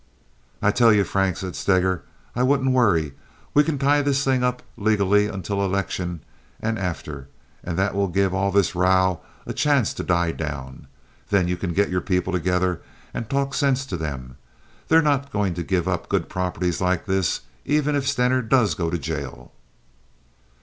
"I tell you, Frank," said Steger, "I wouldn't worry. We can tie this thing up legally until election and after, and that will give all this row a chance to die down. Then you can get your people together and talk sense to them. They're not going to give up good properties like this, even if Stener does go to jail."